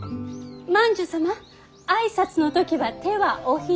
万寿様挨拶の時は手はお膝。